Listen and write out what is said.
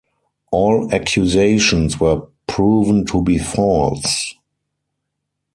All accusations were proven to be false.